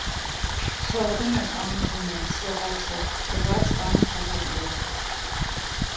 Ցողունը կանգուն է, սողացող, փռված կամ փաթաթվող։